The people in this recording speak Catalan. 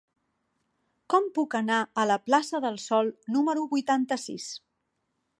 Com puc anar a la plaça del Sol número vuitanta-sis?